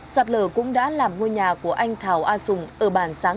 sạt lở cũng đã làm ngôi nhà của anh thảo a sùng ở bản sáng